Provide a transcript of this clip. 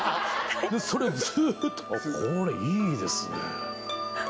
それをずっとこれいいですね